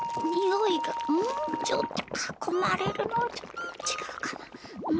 んちょっとかこまれるのはちょっとちがうかな。